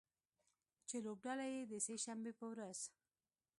چې لوبډله یې د سې شنبې په ورځ